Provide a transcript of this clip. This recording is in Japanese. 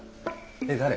えっ誰？